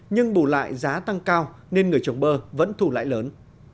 nhưng bù lại giá tăng cao nên người trồng bơ vẫn thu lãi lớn